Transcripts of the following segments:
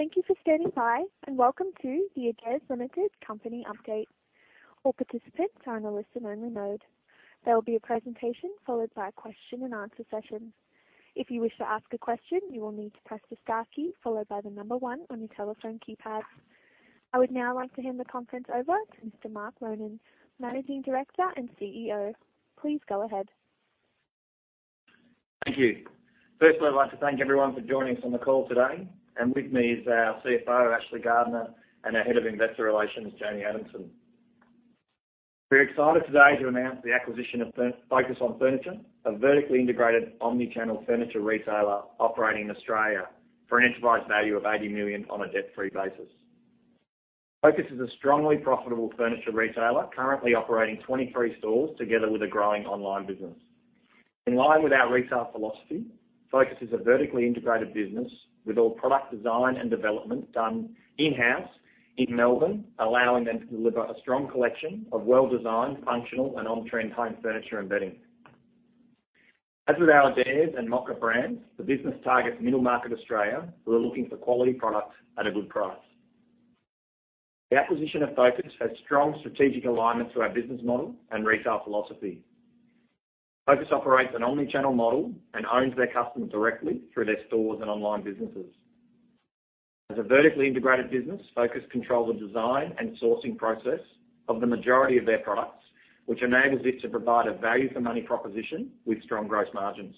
Thank you for standing by, and welcome to the Adairs Limited company update. All participants are in a listen-only mode. There will be a presentation followed by a question-and-answer session. If you wish to ask a question, you will need to press the star key followed by the number one on your telephone keypad. I would now like to hand the conference over to Mr. Mark Ronan, Managing Director and CEO. Please go ahead. Thank you. Firstly, I'd like to thank everyone for joining us on the call today. With me is our CFO, Ashley Gardner, and our Head of Investor Relations, Jamie Adamson. We're excited today to announce the acquisition of Focus on Furniture, a vertically integrated omni-channel furniture retailer operating in Australia for an enterprise value of 80 million on a debt-free basis. Focus is a strongly profitable furniture retailer currently operating 23 stores together with a growing online business. In line with our retail philosophy, Focus is a vertically integrated business with all product design and development done in-house in Melbourne, allowing them to deliver a strong collection of well-designed, functional, and on-trend home furniture and bedding. As with our Adairs and Mocka brands, the business targets middle market Australia who are looking for quality products at a good price. The acquisition of Focus has strong strategic alignment to our business model and retail philosophy. Focus operates an omnichannel model and owns their customers directly through their stores and online businesses. As a vertically integrated business, Focus controls the design and sourcing process of the majority of their products, which enables it to provide a value for money proposition with strong gross margins.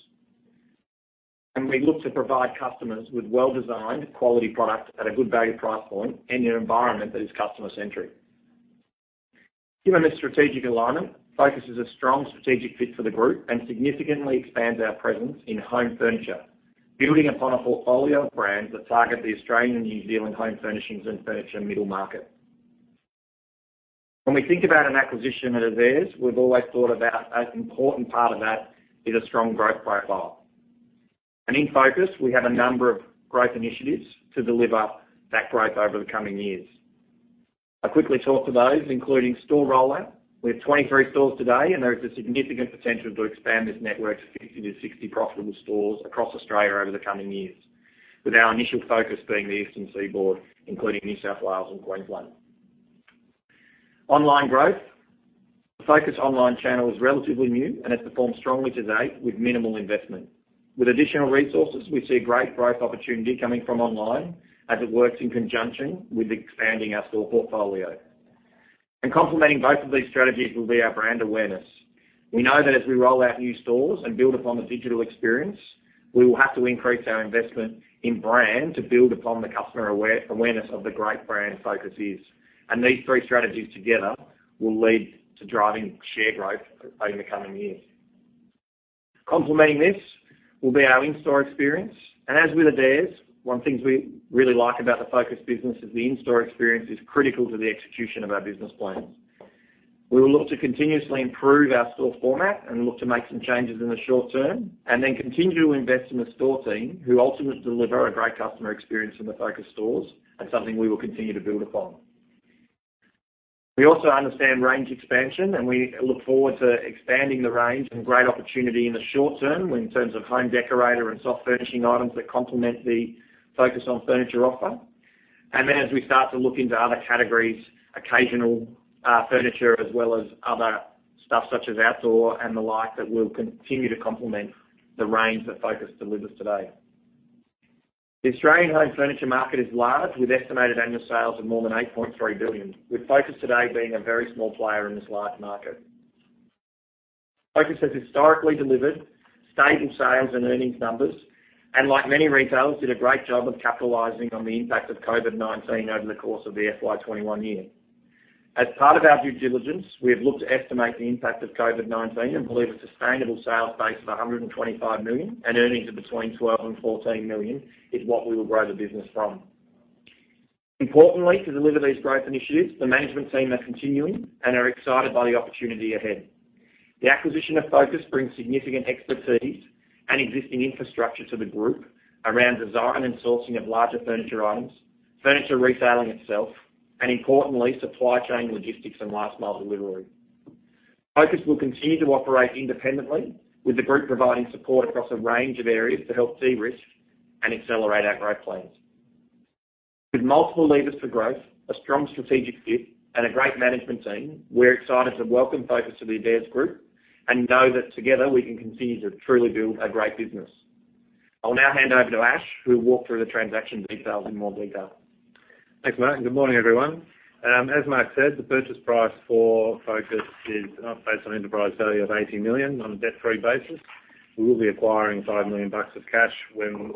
We look to provide customers with well-designed quality products at a good value price point in an environment that is customer-centric. Given this strategic alignment, Focus is a strong strategic fit for the group and significantly expands our presence in home furniture, building upon a portfolio of brands that target the Australian, New Zealand home furnishings and furniture middle market. When we think about an acquisition at Adairs, we've always thought about an important part of that is a strong growth profile. In Focus, we have a number of growth initiatives to deliver that growth over the coming years. I'll quickly talk to those, including store rollout. We have 23 stores today, and there is a significant potential to expand this network to 50 to 60 profitable stores across Australia over the coming years, with our initial focus being the eastern seaboard, including New South Wales and Queensland. Online growth. The Focus online channel is relatively new and has performed strongly to date with minimal investment. With additional resources, we see great growth opportunity coming from online as it works in conjunction with expanding our store portfolio. Complementing both of these strategies will be our brand awareness. We know that as we roll out new stores and build upon the digital experience, we will have to increase our investment in brand to build upon the customer awareness of the great brand Focus is. These three strategies together will lead to driving share growth over the coming years. Complementing this will be our in-store experience. As with Adairs, one thing we really like about the Focus business is the in-store experience is critical to the execution of our business plans. We will look to continuously improve our store format and look to make some changes in the short term and then continue to invest in the store team who ultimately deliver a great customer experience in the Focus stores, and something we will continue to build upon. We also understand range expansion, and we look forward to expanding the range and great opportunity in the short term in terms of home decorator and soft furnishing items that complement the Focus on Furniture offer as we start to look into other categories, occasional, furniture as well as other stuff such as outdoor and the like, that will continue to complement the range that Focus delivers today. The Australian home furniture market is large, with estimated annual sales of more than 8.3 billion, with Focus today being a very small player in this large market. Focus has historically delivered stable sales and earnings numbers, and like many retailers, did a great job of capitalizing on the impact of COVID-19 over the course of the FY 2021 year. As part of our due diligence, we have looked to estimate the impact of COVID-19 and believe a sustainable sales base of 125 million and earnings of between 12 million and 14 million is what we will grow the business from. Importantly, to deliver these growth initiatives, the management team are continuing and are excited by the opportunity ahead. The acquisition of Focus brings significant expertise and existing infrastructure to the group around design and sourcing of larger furniture items, furniture retailing itself, and importantly, supply chain logistics and last mile delivery. Focus will continue to operate independently with the group providing support across a range of areas to help de-risk and accelerate our growth plans. With multiple levers for growth, a strong strategic fit, and a great management team, we're excited to welcome Focus to the Adairs Group and know that together we can continue to truly build a great business. I'll now hand over to Ash, who will walk through the transaction details in more detail. Thanks, Mark, and good morning, everyone. As Mark said, the purchase price for Focus is based on enterprise value of 80 million on a debt-free basis. We will be acquiring 5 million bucks of cash when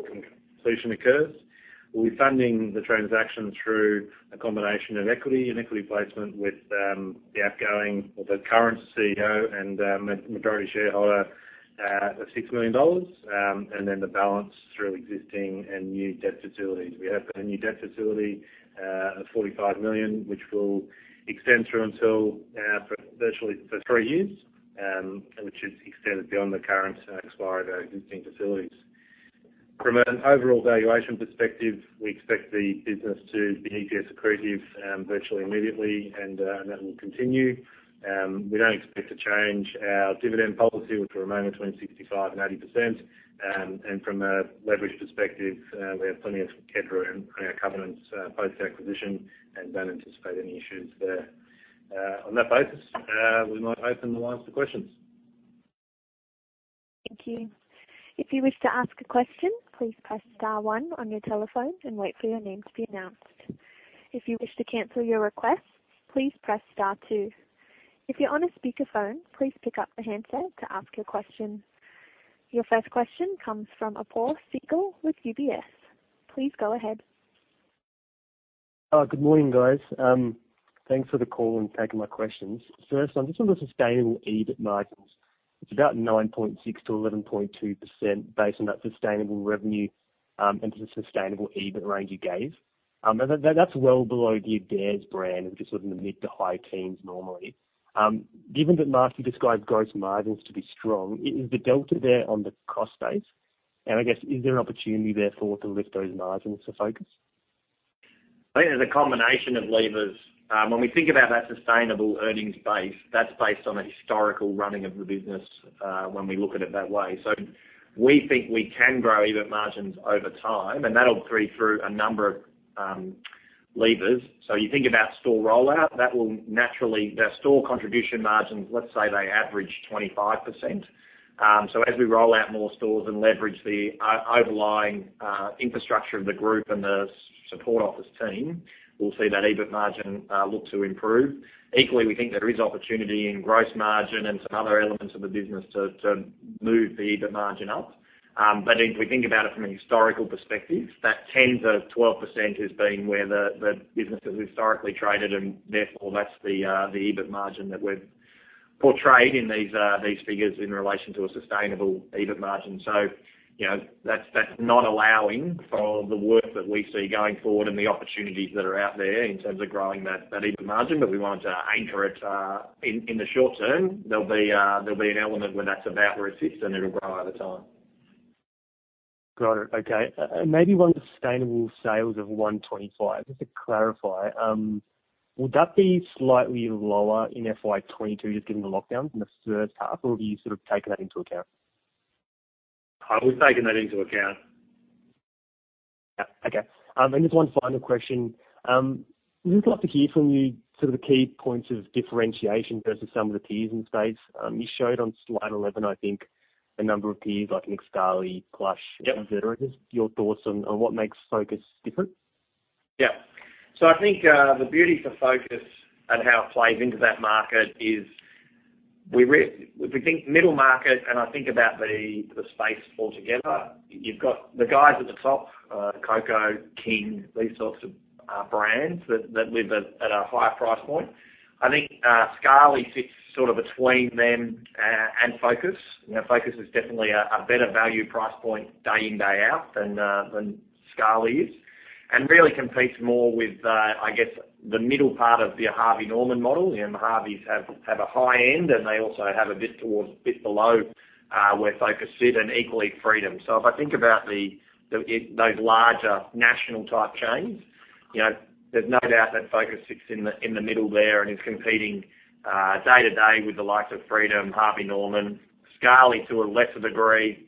completion occurs. We'll be funding the transaction through a combination of equity and equity placement with the outgoing or the current CEO and majority shareholder of 6 million dollars, and then the balance through existing and new debt facilities. We have a new debt facility of 45 million, which will extend through until virtually for three years, which is extended beyond the current expiry of our existing facilities. From an overall valuation perspective, we expect the business to be EPS accretive virtually immediately and that will continue. We don't expect to change our dividend policy, which will remain between 65% and 80%. From a leverage perspective, we have plenty of headroom on our covenants post-acquisition and don't anticipate any issues there. On that basis, we might open the lines to questions. Thank you. If you wish to ask a question, please press star one on your telephone and wait for your name to be announced. If you wish to cancel your request, please press star two. If you're on a speakerphone, please pick up the handset to ask your question. Your first question comes from Apoorv Sehgal with UBS. Please go ahead. Good morning, guys. Thanks for the call and taking my questions. First, just on the sustainable EBIT margins. It's about 9.6%-11.2% based on that sustainable revenue, and to the sustainable EBIT range you gave. That's well below the Adairs brand, which is sort of in the mid- to high teens normally. Given that last you described gross margins to be strong, is the delta there on the cost base? And I guess, is there an opportunity therefore to lift those margins to Focus? I think there's a combination of levers. When we think about that sustainable earnings base, that's based on a historical running of the business, when we look at it that way. We think we can grow EBIT margins over time, and that'll creep through a number of levers. You think about store rollout. The store contribution margins, let's say they average 25%. As we roll out more stores and leverage the overlying infrastructure of the group and the support office team, we'll see that EBIT margin look to improve. Equally, we think there is opportunity in gross margin and some other elements of the business to move the EBIT margin up. If we think about it from a historical perspective, that 10%-12% has been where the business has historically traded, and therefore that's the EBIT margin that we've portrayed in these figures in relation to a sustainable EBIT margin. You know, that's not allowing for the work that we see going forward and the opportunities that are out there in terms of growing that EBIT margin. We won't anchor it in the short term. There'll be an element where that's about where it sits and it'll grow over time. Got it. Okay. Maybe on sustainable sales of 125, just to clarify, would that be slightly lower in FY 2022, just given the lockdowns in the first half? Or have you sort of taken that into account? We've taken that into account. Yeah. Okay. Just one final question. We'd love to hear from you sort of the key points of differentiation versus some of the peers in space. You showed on slide 11, I think, a number of peers like Nick Scali, Plush- Yep. Just your thoughts on what makes Focus different. Yeah. I think the beauty for Focus and how it plays into that market is. If we think middle market, I think about the space altogether, you've got the guys at the top, Coco, King, these sorts of brands that live at a higher price point. I think Scali sits sort of between them and Focus. You know, Focus is definitely a better value price point day in, day out than Scali is, and really competes more with, I guess, the middle part of your Harvey Norman model. You know, Harvey's have a high end, and they also have a bit towards a bit below where Focus sit and equally Freedom. If I think about those larger national type chains, you know, there's no doubt that Focus sits in the middle there and is competing day to day with the likes of Freedom, Harvey Norman, Scali to a lesser degree,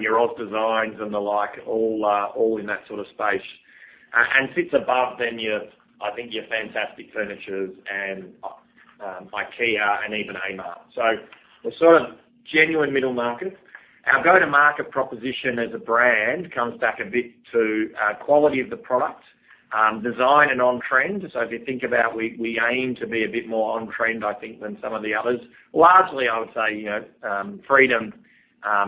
your Oz Designs and the like, all in that sort of space. And sits above them your, I think, your Fantastic Furniture and IKEA and even Amart. The sort of genuine middle market. Our go-to-market proposition as a brand comes back a bit to quality of the product, design and on-trend. If you think about, we aim to be a bit more on-trend, I think, than some of the others. Largely, I would say, you know, Freedom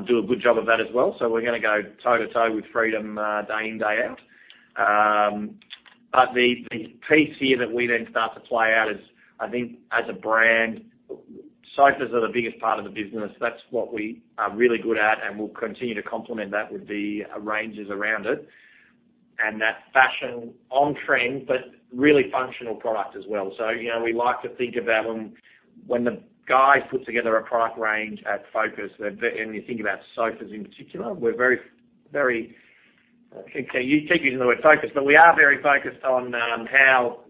do a good job of that as well, so we're gonna go toe-to-toe with Freedom, day in, day out. But the piece here that we then start to play out is, I think as a brand, sofas are the biggest part of the business. That's what we are really good at, and we'll continue to complement that with the ranges around it. That fashion on-trend, but really functional product as well. You know, we like to think about when the guys put together a product range at Focus, and you think about sofas in particular, I keep using the word Focus, but we are very focused on how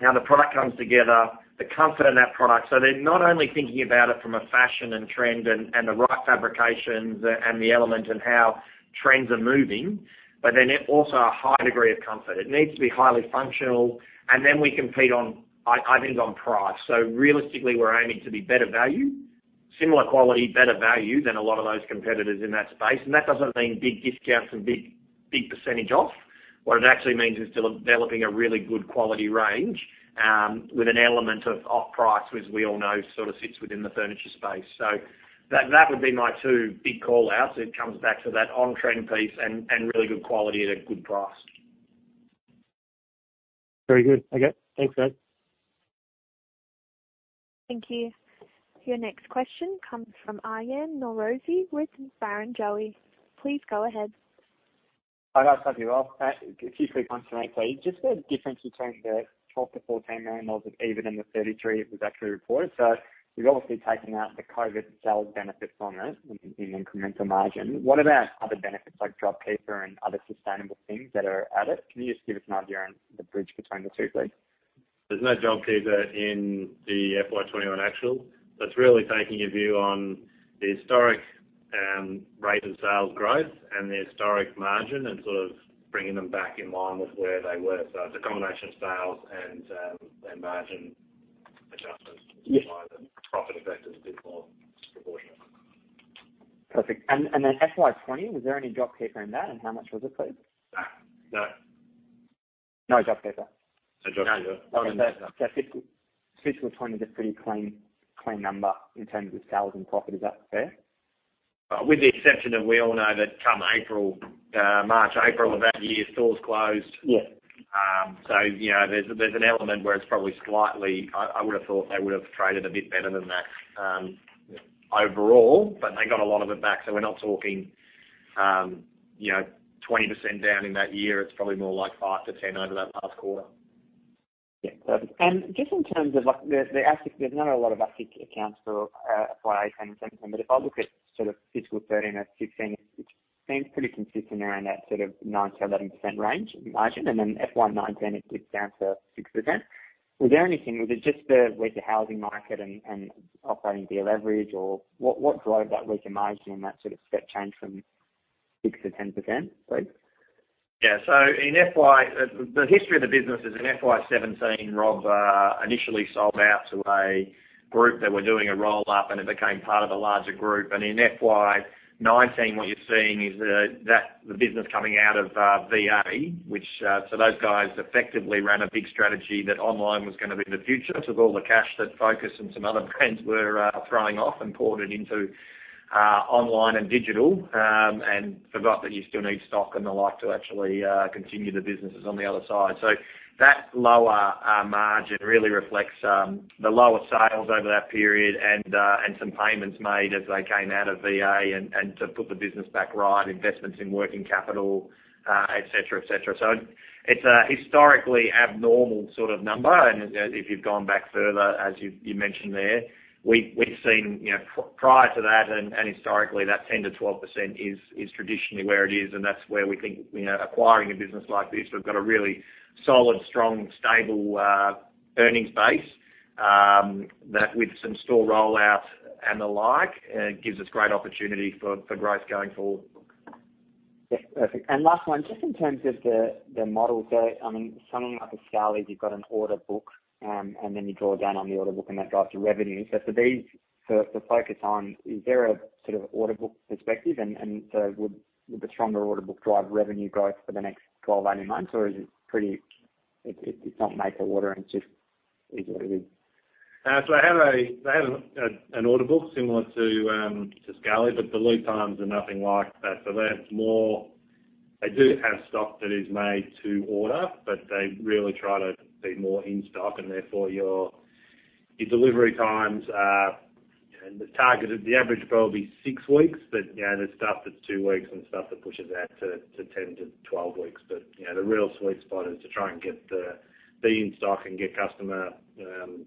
the product comes together, the comfort in that product. They're not only thinking about it from a fashion and trend and the right fabrications and the element and how trends are moving, but then also a high degree of comfort. It needs to be highly functional. We compete on, I think, on price. Realistically, we're aiming to be better value, similar quality, better value than a lot of those competitors in that space. That doesn't mean big discounts and big percentage off. What it actually means is developing a really good quality range with an element of off price, which we all know sort of sits within the furniture space. That would be my two big call-outs. It comes back to that on-trend piece and really good quality at a good price. Very good. Okay. Thanks, guys. Thank you. Your next question comes from Aryan Norozi with Barrenjoey. Please go ahead. Hi, guys. How are you all? A few quick ones from me, please. Just the difference between the 12 million-14 million dollars of EBIT and the 33 million that was actually reported. You've obviously taken out the COVID sales benefits from it in incremental margin. What about other benefits like JobKeeper and other sustainable things that add to it? Can you just give us an idea on the bridge between the two, please? There's no JobKeeper in the FY 2021 actuals. It's really taking a view on the historic rate of sales growth and the historic margin and sort of bringing them back in line with where they were. It's a combination of sales and margin adjustments. Yeah. which is why the profit effect is a bit more proportionate. Perfect. FY 2020, was there any JobKeeper in that? How much was it, please? No. No JobKeeper? No JobKeeper. Fiscal 2020 is a pretty clean number in terms of the sales and profit. Is that fair? With the exception that we all know that come March, April of that year, stores closed. Yeah. You know, there's an element where it's probably, I would have thought they would have traded a bit better than that, overall, but they got a lot of it back. We're not talking, you know, 20% down in that year. It's probably more like 5%-10% over that last quarter. Just in terms of like the assets, there's not a lot of asset accounting for FY 2018 and 2017. If I look at FY 2013-2016, it seems pretty consistent around that sort of 9%-11% range margin. Then FY 2019, it dips down to 6%. Was it just the weaker housing market and operating gearing leverage or what drove that weaker margin and that sort of step change from 6% to 10%, please? In FY 2017, the history of the business is Rob initially sold out to a group that were doing a roll-up, and it became part of a larger group. In FY 2019, what you're seeing is that the business coming out of VA, which so those guys effectively ran a big strategy that online was gonna be the future. Took all the cash that Focus and some other brands were throwing off and poured it into online and digital, and forgot that you still need stock and the like to actually continue the businesses on the other side. That lower margin really reflects the lower sales over that period and some payments made as they came out of VA and to put the business back right, investments in working capital, et cetera, et cetera. It's a historically abnormal sort of number. If you've gone back further, as you mentioned there, we've seen, you know, prior to that and historically, that 10%-12% is traditionally where it is, and that's where we think, you know, acquiring a business like this, we've got a really solid, strong, stable earnings base that with some store rollout and the like gives us great opportunity for growth going forward. Yeah. Perfect. Last one, just in terms of the models there, I mean, something like a Nick Scali's, you've got an order book, and then you draw down on the order book and that drives your revenue. For these, for Focus on, is there a sort of order book perspective? Would the stronger order book drive revenue growth for the next 12, 18 months? Or it's not made to order and it's just what it is. They have an order book similar to Scali, but the lead times are nothing like that. They do have stock that is made to order, but they really try to be more in stock and therefore your delivery times are, you know, the target is the average would probably be 6 weeks, but, you know, there's stuff that's two weeks and stuff that pushes out to 10-12 weeks. You know, the real sweet spot is to try and be in stock and get customer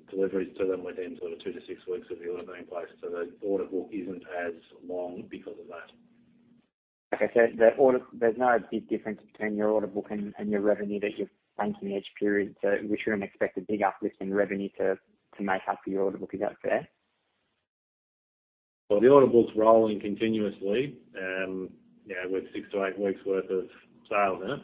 deliveries to them within sort of two to six weeks of the order being placed. The order book isn't as long because of that. Okay. There's no big difference between your order book and your revenue that you're booking each period. We shouldn't expect a big uplift in revenue to make up for your order book. Is that fair? Well, the order book's rolling continuously, you know, with six to eight weeks worth of sales in it.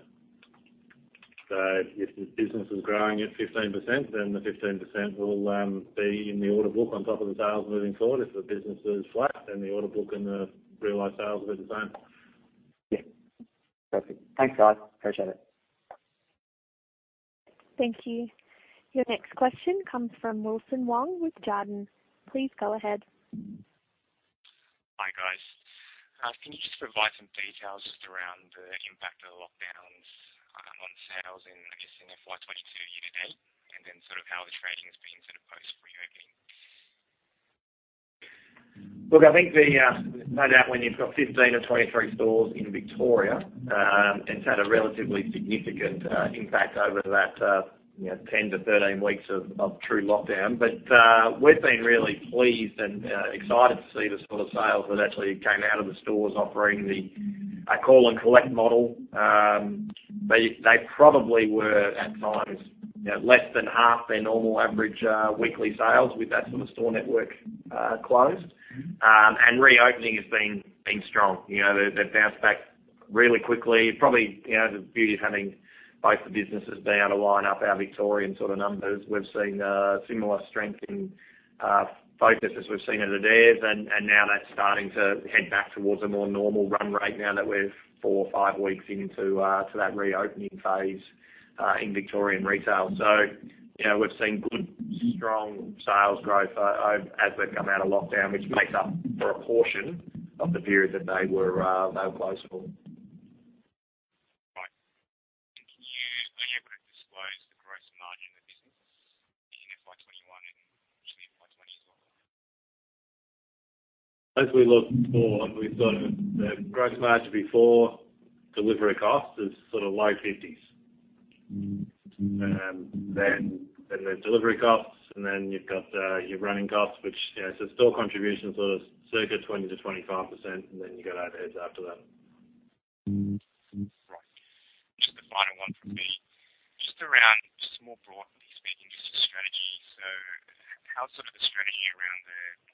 If the business is growing at 15%, then the 15% will be in the order book on top of the sales moving forward. If the business is flat, then the order book and the realized sales will be the same. Yeah. Perfect. Thanks, guys. Appreciate it. Thank you. Your next question comes from Wilson Wong with Jarden. Please go ahead. Hi, guys. Can you just provide some details just around the impact of the lockdowns on sales in, I guess, in FY 2022 year to date, and then sort of how the trading has been sort of post re-opening? Look, I think the no doubt when you've got 15 of 23 stores in Victoria, it's had a relatively significant impact over that, you know, 10-13 weeks of true lockdown. We've been really pleased and excited to see the sort of sales that actually came out of the stores offering the click and collect model. They probably were at times, you know, less than half their normal average weekly sales with that sort of store network closed. Reopening has been strong. You know, they've bounced back really quickly. Probably, you know, the beauty of having both the businesses be able to line up our Victorian sort of numbers. We've seen similar strength in Focus as we've seen at Adairs, and now that's starting to head back towards a more normal run rate now that we're four or five weeks into that reopening phase in Victorian retail. You know, we've seen good strong sales growth as we've come out of lockdown, which makes up for a portion of the period that they were closed for. Right. As we look forward, the gross margin before delivery costs is sort of low 50s%. There's delivery costs, and then you've got your running costs, which, you know. Store contribution is sort of circa 20%-25%, and then you go overheads after that. Right. Just the final one from me, just around, just more broadly speaking, just the strategy. How's sort of the strategy around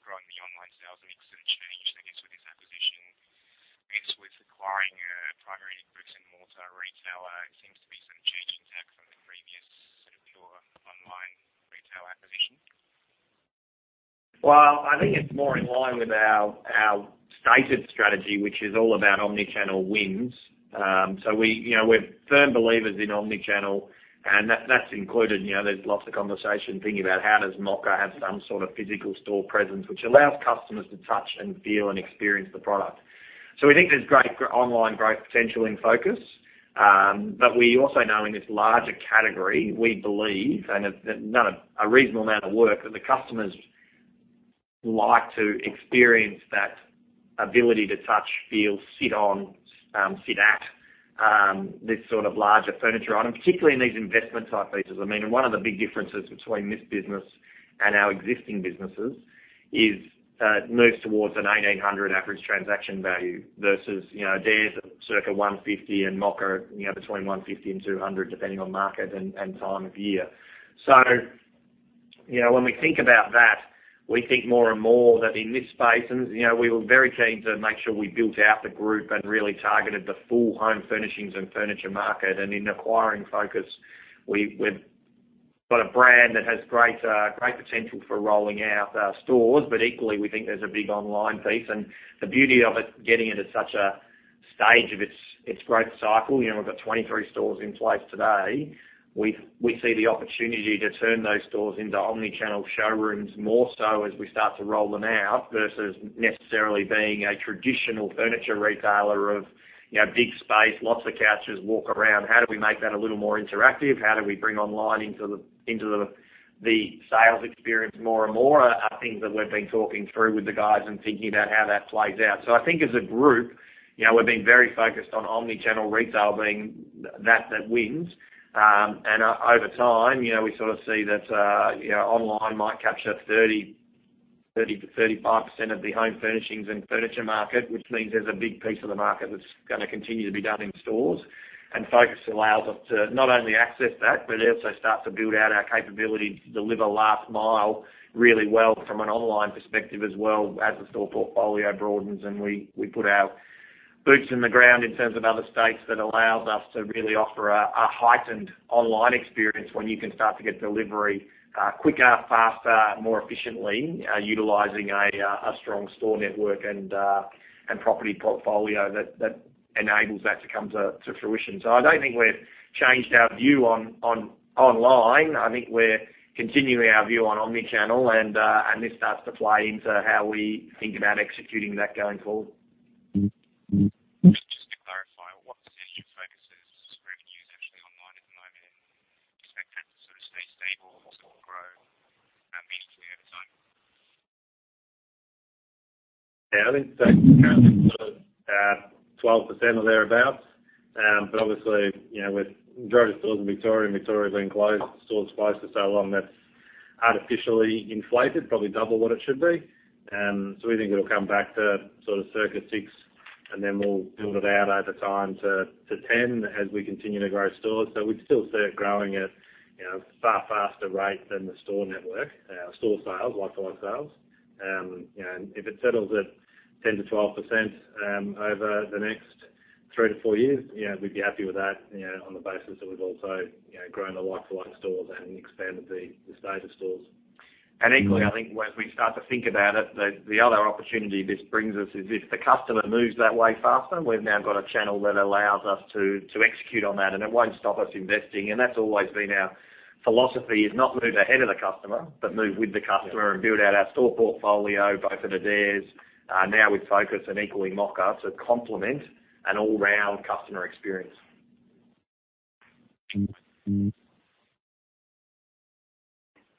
growing the online sales mix and change, I guess, with this acquisition? I guess with acquiring a primarily bricks-and-mortar retailer, it seems to be some change in tack from the previous sort of pure online retail acquisition. Well, I think it's more in line with our stated strategy, which is all about omnichannel wins. We, you know, we're firm believers in omnichannel, and that's included. You know, there's lots of conversation thinking about how does Mocka have some sort of physical store presence which allows customers to touch and feel and experience the product. We think there's great online growth potential in Focus. But we also know in this larger category, we believe, and after a reasonable amount of work, that the customers like to experience that ability to touch, feel, sit on, sit at, this sort of larger furniture item, particularly in these investment type pieces. I mean, one of the big differences between this business and our existing businesses is moves towards an 1,800 average transaction value versus, you know, Adairs' at circa 150 and Mocka, you know, between 150-200, depending on market and time of year. When we think about that, we think more and more that in this space and, you know, we were very keen to make sure we built out the group and really targeted the full home furnishings and furniture market. In acquiring Focus, we've got a brand that has great potential for rolling out stores. Equally, we think there's a big online piece. The beauty of it getting it at such a stage of its growth cycle, you know, we've got 23 stores in place today. We see the opportunity to turn those stores into omnichannel showrooms more so as we start to roll them out, versus necessarily being a traditional furniture retailer of, you know, big space, lots of couches, walk around. How do we make that a little more interactive? How do we bring online into the sales experience more and more are things that we've been talking through with the guys and thinking about how that plays out. I think as a group, you know, we're being very focused on omnichannel retail being that that wins. Over time, you know, we sort of see that online might capture 30%-35% of the home furnishings and furniture market, which means there's a big piece of the market that's gonna continue to be done in stores. Focus allows us to not only access that, but also start to build out our capability to deliver last mile really well from an online perspective as well as the store portfolio broadens and we put our boots in the ground in terms of other states that allows us to really offer a heightened online experience when you can start to get delivery quicker, faster, more efficiently, utilizing a strong store network and property portfolio that enables that to come to fruition. I don't think we've changed our view on online. I think we're continuing our view on omni-channel and this starts to play into how we think about executing that going forward. Just to clarify, what percentage of Focus' revenue is actually online at the moment? Do you expect that to sort of stay stable or grow, meaningfully over time? Yeah, I think that's currently sort of at 12% or thereabout. Obviously, you know, with majority stores in Victoria, and Victoria's been closed, stores closed for so long, that's artificially inflated, probably double what it should be. We think it'll come back to sort of circa 6%, and then we'll build it out over time to 10 as we continue to grow stores. We'd still see it growing at, you know, a far faster rate than the store network. Our store sales, like-for-like sales. If it settles at 10%-12%, over the next three to four years, you know, we'd be happy with that, you know, on the basis that we've also, you know, grown the like-for-like stores and expanded the estate of stores. Equally, I think as we start to think about it, the other opportunity this brings us is if the customer moves that way faster, we've now got a channel that allows us to execute on that, and it won't stop us investing. That's always been our philosophy, is not move ahead of the customer, but move with the customer and build out our store portfolio both for the Adairs, now with Focus and equally Mocka to complement an all-round customer experience.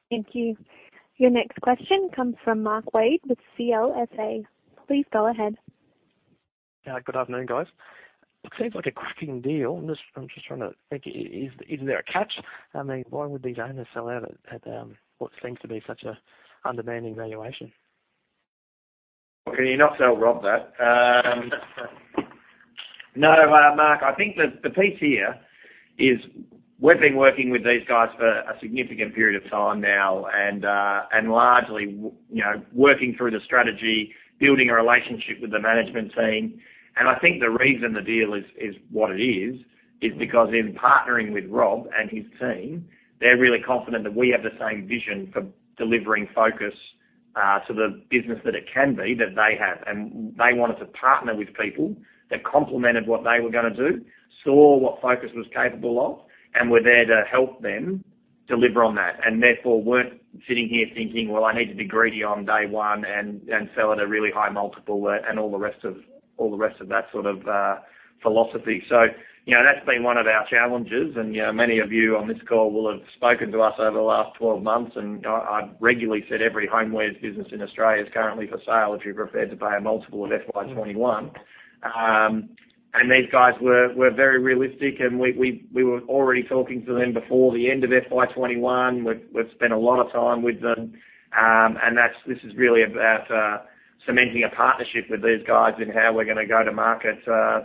Thank you. Your next question comes from Mark Wade with CLSA. Please go ahead. Good afternoon, guys. It seems like a cracking deal. I'm just trying to think, is there a catch? I mean, why would these owners sell out at what seems to be such a undemanding valuation? Can you not sell Rob that? No, Mark, I think the piece here is we've been working with these guys for a significant period of time now and largely you know, working through the strategy, building a relationship with the management team. I think the reason the deal is what it is is because in partnering with Rob and his team, they're really confident that we have the same vision for delivering Focus to the business that it can be that they have. They wanted to partner with people that complemented what they were gonna do, saw what Focus was capable of, and were there to help them deliver on that, and therefore weren't sitting here thinking, "Well, I need to be greedy on day one and sell at a really high multiple," and all the rest of that sort of philosophy. You know, that's been one of our challenges. You know, many of you on this call will have spoken to us over the last 12 months, and I've regularly said every homewares business in Australia is currently for sale if you're prepared to pay a multiple of FY 2021. These guys were very realistic, and we were already talking to them before the end of FY 2021. We've spent a lot of time with them. This is really about cementing a partnership with these guys in how we're gonna go to market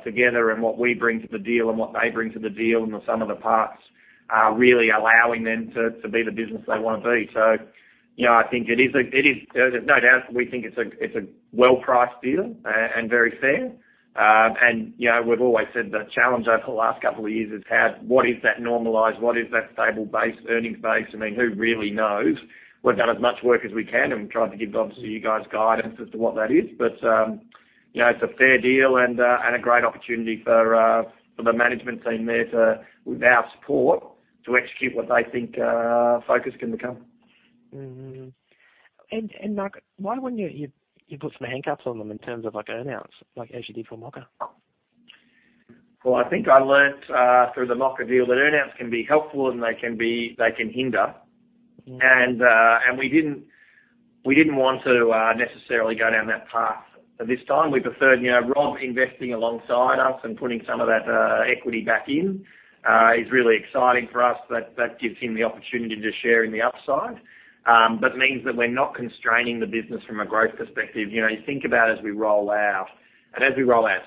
together and what we bring to the deal and what they bring to the deal and the sum of the parts, really allowing them to be the business they wanna be. You know, I think it is. There's no doubt we think it's a well-priced deal and very fair. You know, we've always said the challenge over the last couple of years is what is that normalized? What is that stable base, earnings base? I mean, who really knows? We've done as much work as we can and tried to give obviously you guys guidance as to what that is. You know, it's a fair deal and a great opportunity for the management team there to, with our support, to execute what they think Focus can become. Mark, why wouldn't you put some handcuffs on them in terms of like earn-outs, like as you did for Mocka? Well, I think I learned through the Mocka deal that earn-outs can be helpful, and they can hinder. Mm. We didn't want to necessarily go down that path this time. We preferred, you know, Rob investing alongside us and putting some of that equity back in is really exciting for us, that gives him the opportunity to share in the upside. But means that we're not constraining the business from a growth perspective. You know, you think about as we roll out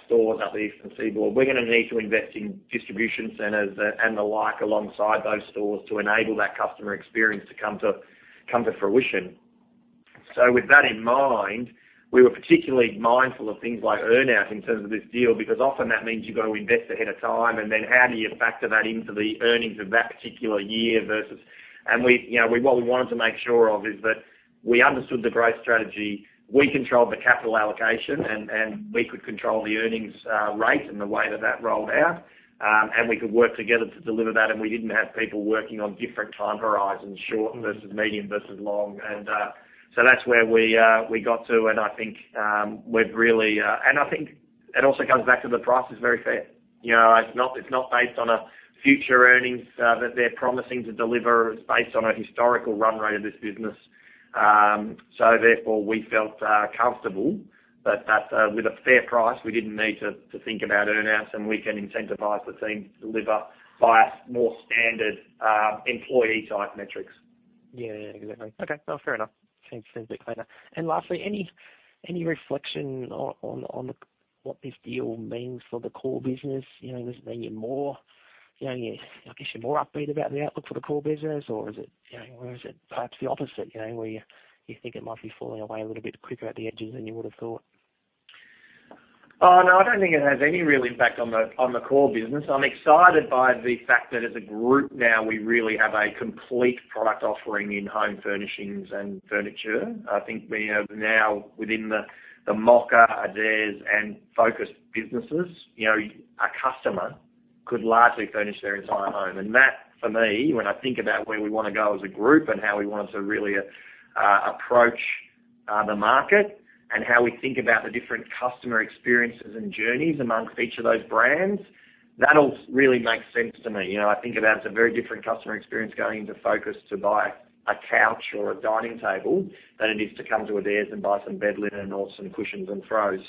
stores up the east and seaboard, we're gonna need to invest in distribution centers and the like alongside those stores to enable that customer experience to come to fruition. With that in mind, we were particularly mindful of things like earn-out in terms of this deal, because often that means you've got to invest ahead of time, and then how do you factor that into the earnings of that particular year versus. We, you know, what we wanted to make sure of is that we understood the growth strategy. We controlled the capital allocation, and we could control the earnings rate and the way that that rolled out. We could work together to deliver that, and we didn't have people working on different time horizons, short versus medium versus long. That's where we got to, and I think we've really. I think it also comes back to the price is very fair. You know, it's not based on a future earnings that they're promising to deliver. It's based on a historical run rate of this business. Therefore, we felt comfortable that with a fair price, we didn't need to think about earn-outs, and we can incentivize the team to deliver by more standard employee-type metrics. Yeah, exactly. Okay. No, fair enough. Seems a bit cleaner. Lastly, any reflection on what this deal means for the core business? You know, does it mean you're more, you know, I guess you're more upbeat about the outlook for the core business or is it, you know, or is it perhaps the opposite, you know, where you think it might be falling away a little bit quicker at the edges than you would've thought? Oh, no, I don't think it has any real impact on the core business. I'm excited by the fact that as a group now, we really have a complete product offering in home furnishings and furniture. I think we have now within the Mocka, Adairs and Focus businesses, you know, a customer could largely furnish their entire home. That for me, when I think about where we wanna go as a group and how we want to really approach the market and how we think about the different customer experiences and journeys amongst each of those brands, that all really makes sense to me. You know, I think about it's a very different customer experience going into Focus to buy a couch or a dining table than it is to come to Adairs and buy some bed linen or some cushions and throws.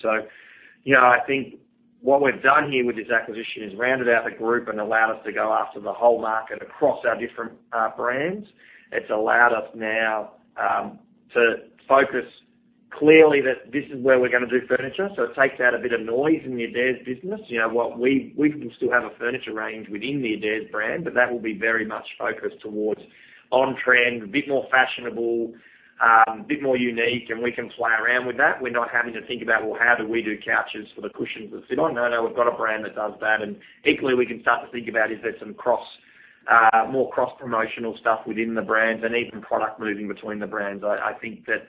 You know, I think what we've done here with this acquisition is rounded out the group and allowed us to go after the whole market across our different brands. It's allowed us now to focus clearly that this is where we're gonna do furniture. It takes out a bit of noise in the Adairs business. You know, we can still have a furniture range within the Adairs brand, but that will be very much focused towards on-trend, a bit more fashionable, a bit more unique, and we can play around with that. We're not having to think about, well, how do we do couches for the cushions that sit on? No, no, we've got a brand that does that. Equally, we can start to think about is there some more cross-promotional stuff within the brands and even product moving between the brands. I think that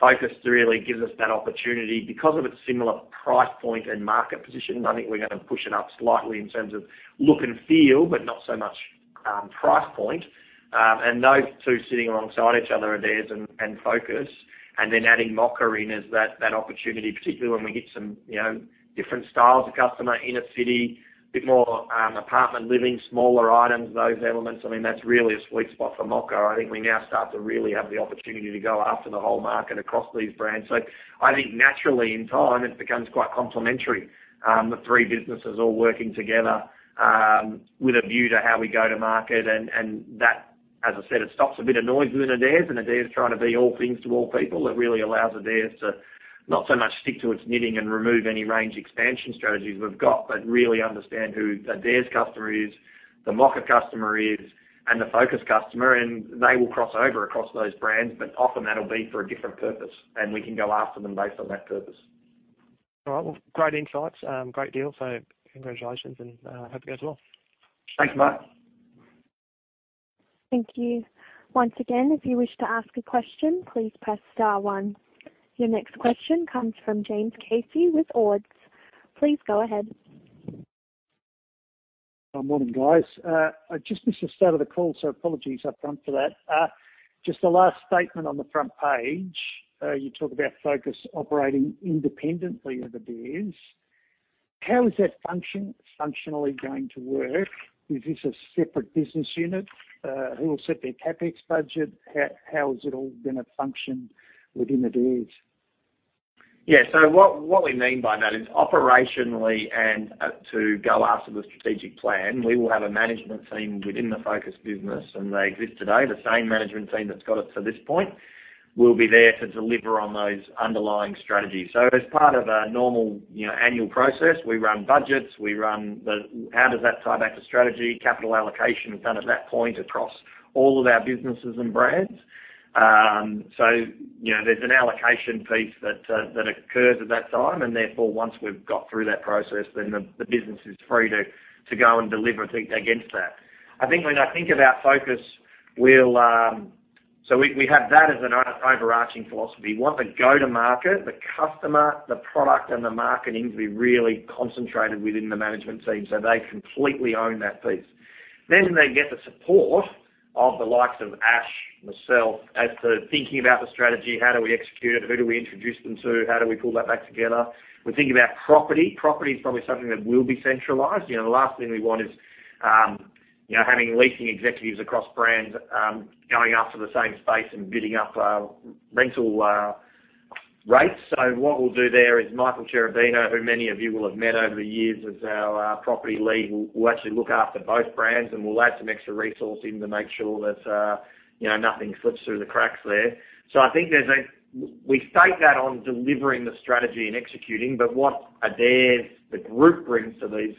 Focus really gives us that opportunity. Because of its similar price point and market position, I think we're gonna push it up slightly in terms of look and feel, but not so much price point. Those two sitting alongside each other, Adairs and Focus, and then adding Mocka in as that opportunity, particularly when we get some, you know, different styles of customer, inner city, a bit more apartment living, smaller items, those elements. I mean, that's really a sweet spot for Mocka. I think we now start to really have the opportunity to go after the whole market across these brands. I think naturally in time it becomes quite complementary, the three businesses all working together with a view to how we go to market. That, as I said, stops a bit of noise within Adairs and Adairs trying to be all things to all people. It really allows Adairs to not so much stick to its knitting and remove any range expansion strategies we've got, but really understand who the Adairs customer is, the Mocka customer is, and the Focus customer, and they will cross over across those brands, but often that'll be for a different purpose, and we can go after them based on that purpose. All right. Well, great insights. Great deal. Congratulations and hope it goes well. Thanks, Mark. Thank you. Once again, if you wish to ask a question, please press star one. Your next question comes from James Casey with Ord Minnett. Please go ahead. Good morning, guys. I just missed the start of the call, so apologies upfront for that. Just the last statement on the front page, you talk about Focus operating independently of Adairs. How is that functionally going to work? Is this a separate business unit? Who will set their CapEx budget? How is it all gonna function within Adairs? What we mean by that is operationally and to go after the strategic plan, we will have a management team within the Focus business, and they exist today. The same management team that's got it to this point will be there to deliver on those underlying strategies. As part of our normal, you know, annual process, we run budgets, how does that tie back to strategy, capital allocation is done at that point across all of our businesses and brands. You know, there's an allocation piece that occurs at that time, and therefore, once we've got through that process, then the business is free to go and deliver against that. I think when I think about Focus, we'll have that as an overarching philosophy. We want the go-to-market, the customer, the product, and the marketing to be really concentrated within the management team, so they completely own that piece. They get the support of the likes of Ash, myself, as to thinking about the strategy, how do we execute it, who do we introduce them to? How do we pull that back together? We think about property. Property is probably something that will be centralized. You know, the last thing we want is, you know, having leasing executives across brands, going after the same space and bidding up, rental, rates. What we'll do there is Michael Cherubino, who many of you will have met over the years as our property lead, will actually look after both brands, and we'll add some extra resource in to make sure that, you know, nothing slips through the cracks there. We state that on delivering the strategy and executing, but what Adairs, the group brings to these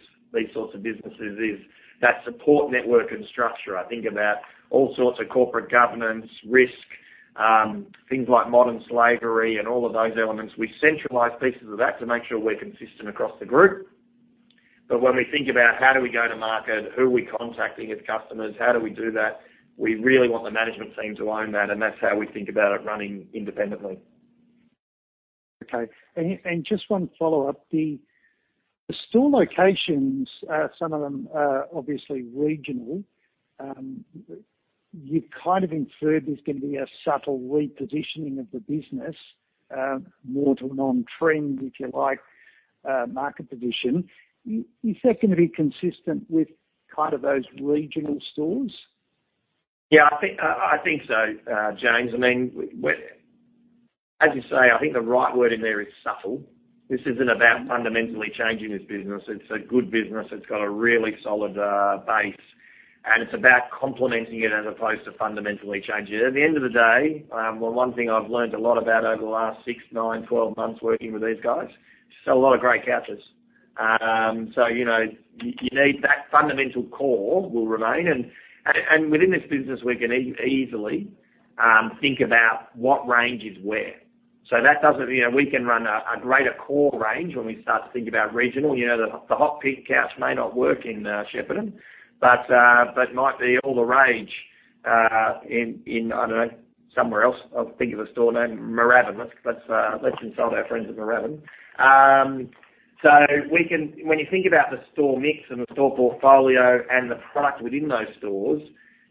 sorts of businesses is that support network and structure. I think about all sorts of corporate governance, risk, things like modern slavery and all of those elements. We centralize pieces of that to make sure we're consistent across the group. When we think about how do we go to market, who are we contacting as customers, how do we do that, we really want the management team to own that, and that's how we think about it running independently. Okay. Just one follow-up. The store locations, some of them are obviously regional. You've kind of inferred there's gonna be a subtle repositioning of the business, more to an on-trend, if you like, market position. Is that gonna be consistent with kind of those regional stores? Yeah, I think so, James. I mean, as you say, I think the right word in there is subtle. This isn't about fundamentally changing this business. It's a good business. It's got a really solid base, and it's about complementing it as opposed to fundamentally changing it. At the end of the day, well, one thing I've learned a lot about over the last six, nine, 12 months working with these guys, they sell a lot of great couches. So, you know, you need that fundamental core will remain. Within this business, we can easily think about what range is where. That doesn't. You know, we can run a greater core range when we start to think about regional. You know, the hot pink couch may not work in Shepparton, but might be all the rage in I don't know, somewhere else. I'll think of a store name. Moorabbin. Let's insult our friends at Moorabbin. When you think about the store mix and the store portfolio and the product within those stores,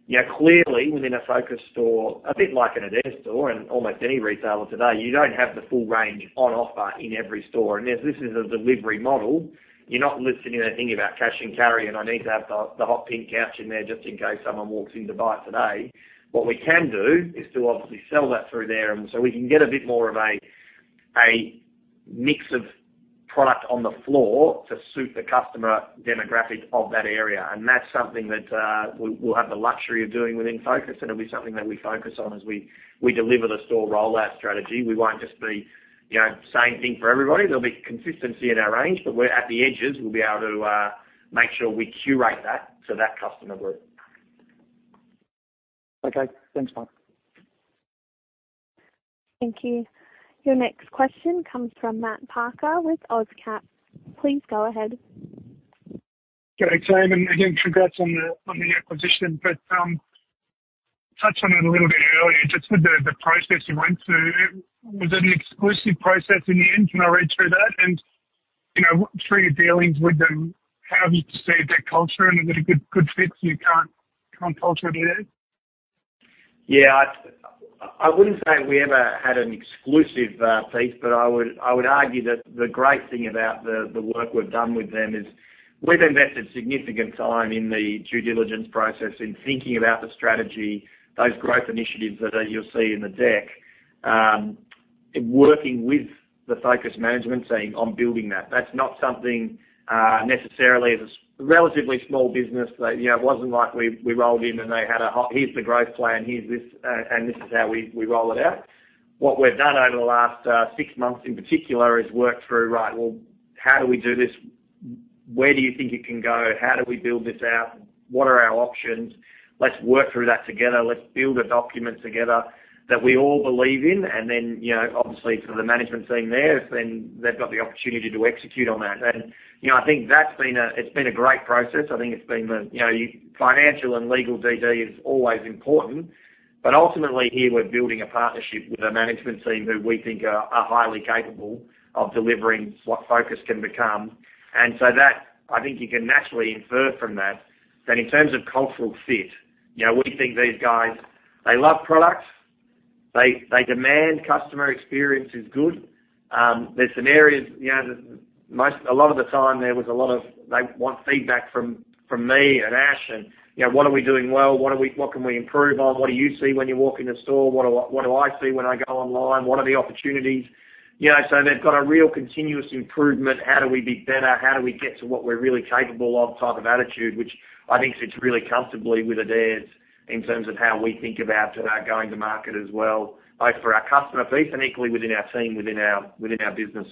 you know, clearly within a Focus store, a bit like in Adairs store and almost any retailer today, you don't have the full range on offer in every store. As this is a delivery model, you're not sitting there thinking about cash and carry, and I need to have the hot pink couch in there just in case someone walks in to buy it today. What we can do is to obviously sell that through there, and so we can get a bit more of a mix of product on the floor to suit the customer demographic of that area. That's something that we will have the luxury of doing within Focus, and it will be something that we focus on as we deliver the store rollout strategy. We won't just be, you know, same thing for everybody. There will be consistency in our range, but at the edges, we will be able to make sure we curate that to that customer group. Okay. Thanks, Mark. Thank you. Your next question comes from Matt Parker with Auscap. Please go ahead. Okay. Again, congrats on the acquisition. Touched on it a little bit earlier, just with the process you went through, was it an exclusive process in the end? Can I read through that? You know, through your dealings with them, how have you perceived their culture and is it a good fit for your current culture at Adairs? Yeah. I wouldn't say we ever had an exclusive piece, but I would argue that the great thing about the work we've done with them is we've invested significant time in the due diligence process, in thinking about the strategy, those growth initiatives that you'll see in the deck, in working with the Focus management team on building that. That's not something necessarily as a relatively small business that, you know, it wasn't like we rolled in and they had a, "Oh, here's the growth plan, here's this, and this is how we roll it out." What we've done over the last six months in particular is work through, right, well, how do we do this? Where do you think it can go? How do we build this out? What are our options? Let's work through that together. Let's build a document together that we all believe in, and then, you know, obviously for the management team there, then they've got the opportunity to execute on that. You know, I think that's been a great process. It's been a great process. I think it's been the, you know, financial and legal DD is always important, but ultimately here we're building a partnership with a management team who we think are highly capable of delivering what Focus can become. So that, I think you can naturally infer from that in terms of cultural fit. Yeah, we think these guys, they love products. They demand customer experience is good. There's some areas, you know, a lot of the time there was a lot of. They want feedback from me and Ash and, you know, what are we doing well? What can we improve on? What do you see when you walk in the store? What do I see when I go online? What are the opportunities? You know, they've got a real continuous improvement. How do we be better? How do we get to what we're really capable of type of attitude, which I think sits really comfortably with Adairs in terms of how we think about going to market as well, both for our customer piece and equally within our team, within our business.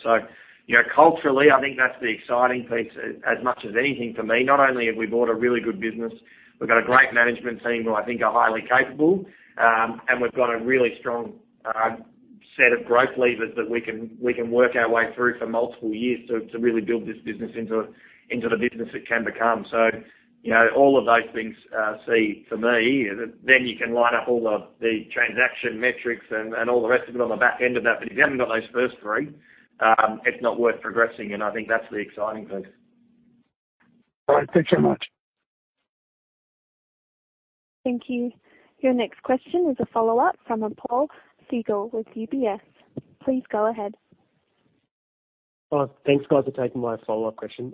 You know, culturally, I think that's the exciting piece as much as anything for me. Not only have we bought a really good business, we've got a great management team who I think are highly capable, and we've got a really strong set of growth levers that we can work our way through for multiple years to really build this business into the business it can become. You know, all of those things, see for me, then you can line up all the transaction metrics and all the rest of it on the back end of that. If you haven't got those first three, it's not worth progressing, and I think that's the exciting piece. All right. Thanks so much. Thank you. Your next question is a follow-up from Apoorv Sehgal with UBS. Please go ahead. Thanks guys for taking my follow-up question.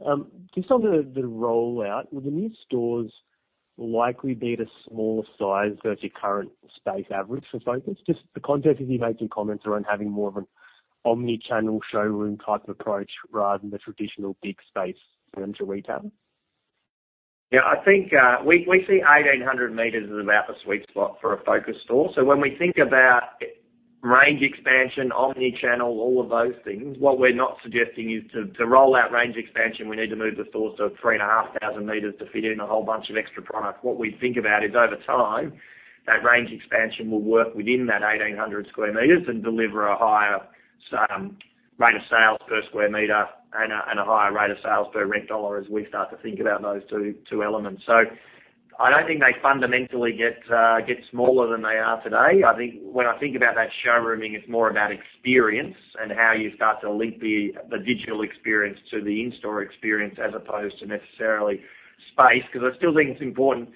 Just on the rollout, will the new stores likely be at a smaller size versus your current space average for Focus? Just the context is you making comments around having more of an omni-channel showroom type of approach rather than the traditional big space furniture retailer. Yeah, I think we see 1,800 sq m as about the sweet spot for a Focus store. When we think about range expansion, omni-channel, all of those things, what we're not suggesting is to roll out range expansion, we need to move the stores to 3,500 sq m to fit in a whole bunch of extra product. What we think about is over time, that range expansion will work within that 1,800 sq m and deliver a higher rate of sales per sq m and a higher rate of sales per rent dollar as we start to think about those two elements. I don't think they fundamentally get smaller than they are today. I think when I think about that showrooming, it's more about experience and how you start to link the digital experience to the in-store experience as opposed to necessarily space, 'cause I still think it's important.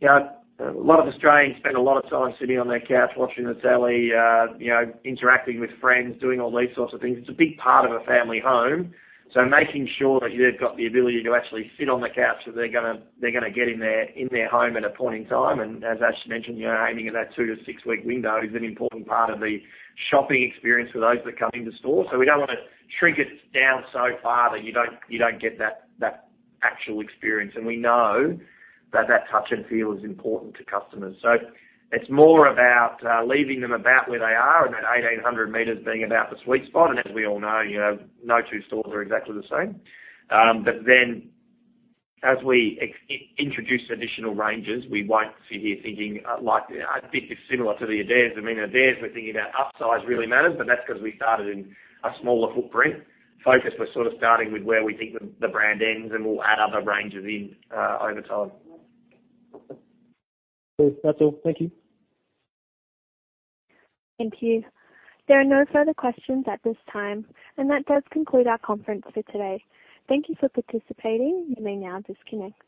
You know, a lot of Australians spend a lot of time sitting on their couch watching the telly, interacting with friends, doing all these sorts of things. It's a big part of a family home. Making sure that you've got the ability to actually sit on the couch that they're gonna get in their home at a point in time. As Ash mentioned, you know, aiming at that two to six week window is an important part of the shopping experience for those that come into store. We don't wanna shrink it down so far that you don't get that actual experience. We know that that touch and feel is important to customers. It's more about leaving them about where they are and that 1,800 sq m being about the sweet spot. As we all know, you know, no two stores are exactly the same. As we introduce additional ranges, we won't sit here thinking like I think it's similar to Adairs. I mean, Adairs, we're thinking about upsize really matters, but that's 'cause we started in a smaller footprint. Focus, we're sort of starting with where we think the brand ends, and we'll add other ranges in over time. Cool. That's all. Thank you. Thank you. There are no further questions at this time. That does conclude our conference for today. Thank you for participating. You may now disconnect.